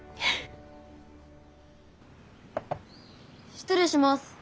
失礼します。